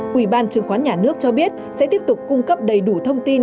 quỹ ban chứng khoán nhà nước cho biết sẽ tiếp tục cung cấp đầy đủ thông tin